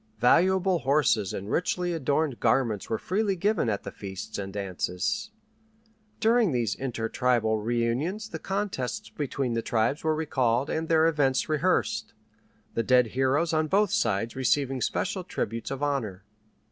Valuable horses and richly adorned garments were freely given at the feasts and dances. During these intertribal reunions the contests between the tribes were recalled and their events rehearsed, the dead heroes on both sides receiving special tributes of honor.